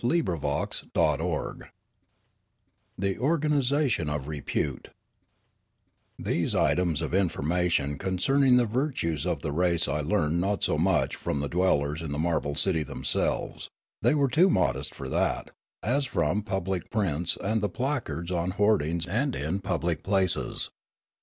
§^MSMM CHAPTER IX THE ORCxAXISATION OF REPUTE THESE items of information concerning the virtues of the race I learned not so much from the dwel lers in the marble city themselves — they were too modest for that — as from public prints and the placards on hoardings and in public places.